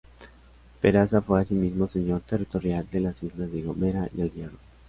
Peraza fue asimismo señor territorial de las islas de La Gomera y El Hierro.